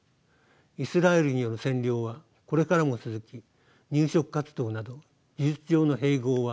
イスラエルによる占領はこれからも続き入植活動など事実上の併合は更に進むでしょう。